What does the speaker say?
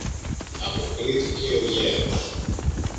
αποκρίθηκε ο γέρος.